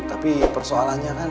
tapi persoalannya kan